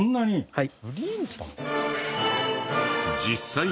はい。